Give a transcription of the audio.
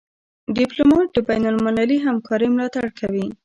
ډيپلومات د بینالمللي همکارۍ ملاتړ کوي.